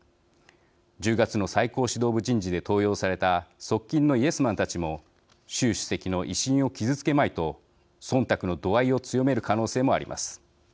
１０月の最高指導部人事で登用された側近のイエスマンたちも習主席の威信を傷つけまいとそんたくの度合いを強める可能性もあります。